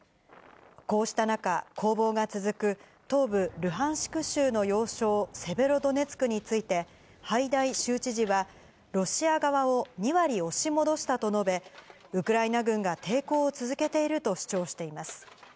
こうした中、攻防が続く東部ルハンシク州の要衝セベロドネツクについて、ハイダイ州知事は、ロシア側を２割押し戻したと述べ、ウクライナ軍が抵抗を続けていると主張しています。